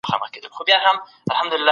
دواړه لوري څنګه همکاري کوي؟